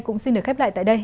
cũng xin được khép lại tại đây